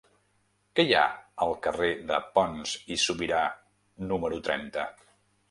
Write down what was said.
Què hi ha al carrer de Pons i Subirà número trenta?